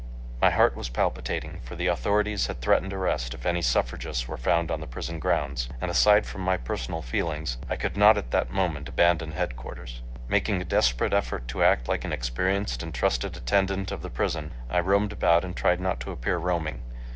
My heart was palpitating, for the authorities had threatened arrest if any suffragists were found on the prison grounds, and aside from my personal feelings, I could not at that moment abandon headquarters. Making a desperate effort to act like an experienced and trusted attendant of the prison, I roamed about and tried not to appear roaming.